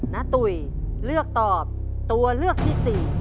ตุ๋ยเลือกตอบตัวเลือกที่๔